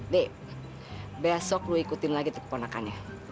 dek besok lu ikutin lagi tuh keponakannya